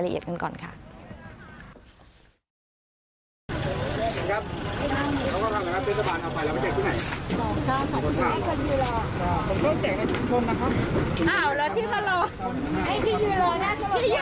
มันเป็นสิ่งที่เราไม่ได้รู้สึกว่า